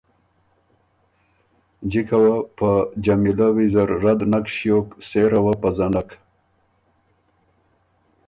جِکه وه په جمیلۀ ویزر رد نک ݭیوکاو سېره وه پزنک۔